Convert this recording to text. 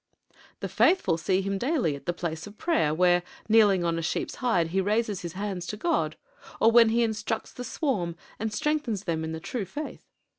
"The faithful see him daily at the place of prayer where, kneeling on the sheep's hide, he raises his hands to God, or when he instructs the swarm and strengthens them in the true faith.